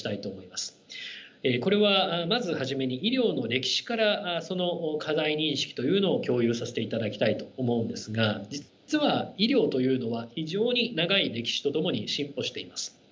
これはまず初めに医療の歴史からその課題認識というのを共有させていただきたいと思うんですが実は医療というのは非常に長い歴史と共に進歩しています。